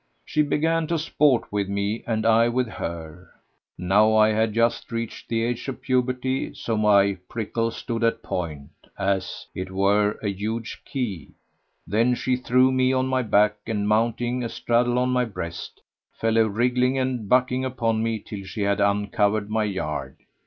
She began to sport with me, and I with her. Now I had just reached the age of puberty; so my prickle stood at point, as it were a huge key. Then she threw me on my back and, mounting astraddle on my breast, fell a wriggling and a bucking upon me till she had uncovered my yard.